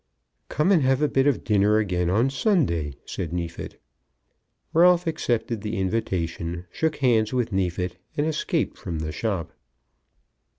"Come and have a bit of dinner again on Sunday," said Neefit. Ralph accepted the invitation, shook hands with Neefit, and escaped from the shop.